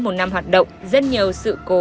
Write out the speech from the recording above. một năm hoạt động rất nhiều sự cố